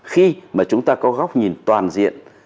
khi mà chúng ta có góc nhìn toàn diện